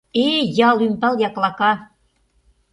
Эй, ял ӱмбал яклака!